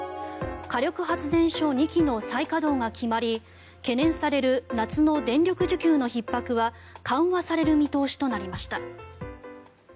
火力発電所２基の再稼働が決まり懸念される夏の電力需給のひっ迫は緩和される見通しとなりました。